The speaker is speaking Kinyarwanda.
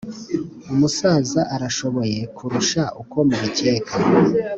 umusaza arashoboye kurusha uko mubikeka